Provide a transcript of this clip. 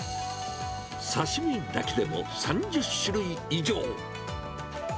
刺身だけでも３０種類以上。